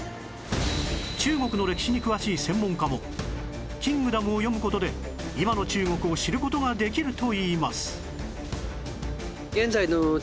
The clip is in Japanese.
中国の歴史に詳しい専門家も『キングダム』を読む事で今の中国を知る事ができるといいます